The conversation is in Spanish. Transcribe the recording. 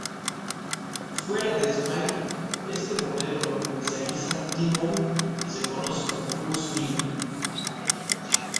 Fuera de España, este modelo lo comercializa T-Mobile y se conoce como Pulse Mini.